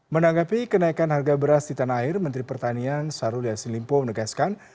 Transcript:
menanggapi kenaikan harga beras di tanah air menteri pertanian syahrul yassin limpo menegaskan